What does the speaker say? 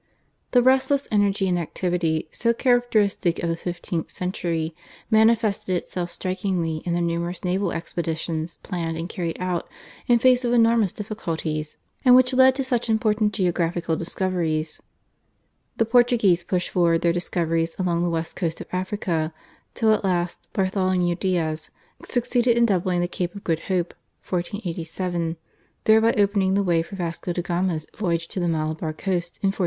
The restless energy and activity so characteristic of the fifteenth century manifested itself strikingly in the numerous naval expeditions, planned and carried out in face of enormous difficulties, and which led to such important geographical discoveries. The Portuguese pushed forward their discoveries along the west coast of Africa till at last Bartholomew Diaz succeeded in doubling the Cape of Good Hope (1487), thereby opening the way for Vasco de Gama's voyage to the Malabar coast in 1498.